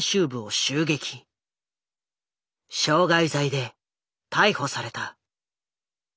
傷害罪で逮捕された。